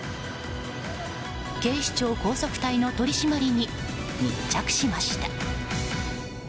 警視庁高速隊の取り締まりに密着しました。